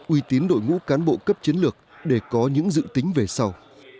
uy tín đội ngũ cán bộ cấp chiến lược để có những dự tính về sau